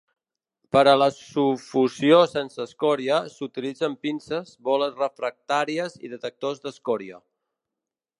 Per a la sufossió sense escòria, s'utilitzen pinces, boles refractàries i detectors d'escòria.